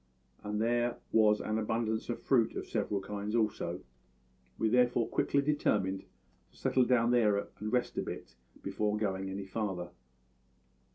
And there was an abundance of fruit of several kinds also; we therefore quickly determined to settle down there and rest a bit before going any farther.